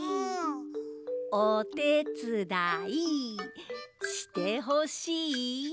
おてつだいしてほしい？